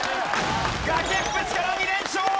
崖っぷちから２連勝！